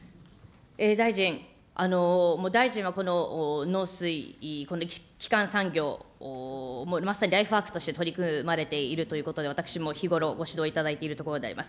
大臣、もう大臣はこの農水、基幹産業、まさにライフワークとして取り組まれているということで、私も日頃ご指導いただいているところであります。